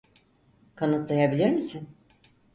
Kanıtlayabilir misin?